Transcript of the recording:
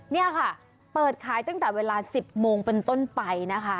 นี่ค่ะเปิดขายตั้งแต่เวลา๑๐โมงเป็นต้นไปนะคะ